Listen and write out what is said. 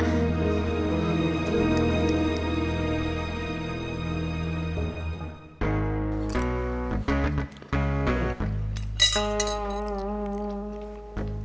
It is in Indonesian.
bukanlah orangnya pinter banget